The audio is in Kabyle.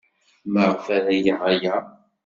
Maɣef ara geɣ aya?